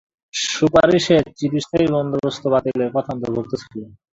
সুপারিশে চিরস্থায়ী বন্দোবস্ত বাতিলের কথা অন্তর্ভুক্ত ছিল।